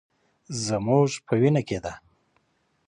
زموږ په وینه کې ده.